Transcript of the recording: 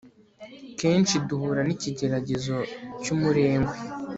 kenshi duhura n'ikigeragezo cy'umurengwe